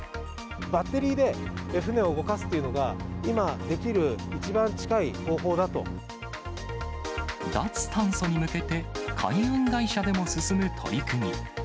バッテリーで船を動かすというのが、脱炭素に向けて、海運会社でも進む取り組み。